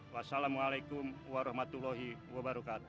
wassalamualaikum warahmatullahi wabarakatuh